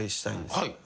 はい。